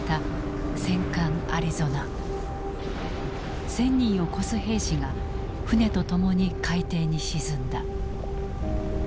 １，０００人を超す兵士が船と共に海底に沈んだ。